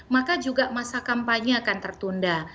maka juga masa kampanye akan tertunda